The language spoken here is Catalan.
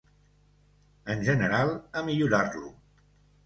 En general, a millorar-lo.